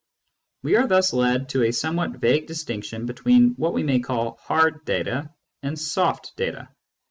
We are thus led to a somewhat vague distinction between what we may call " hard " data and " soft " data.